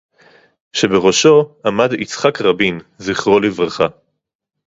שבראשו עמד יצחק רבין, זכרו לברכה